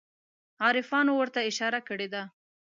عارفانو ورته اشاره کړې ده.